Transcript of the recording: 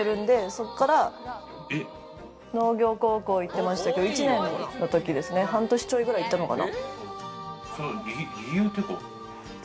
そこから農業高校行ってましたけど、１年の時ですね、半年ちょい理由というのは？